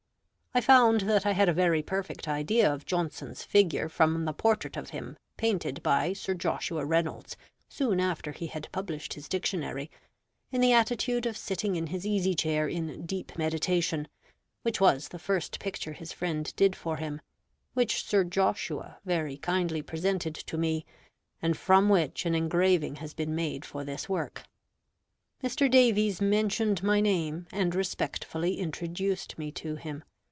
I found that I had a very perfect idea of Johnson's figure from the portrait of him painted by Sir Joshua Reynolds soon after he had published his Dictionary, in the attitude of sitting in his easy chair in deep meditation; which was the first picture his friend did for him, which Sir Joshua very kindly presented to me, and from which an engraving has been made for this work. Mr. Davies mentioned my name, and respectfully introduced me to him.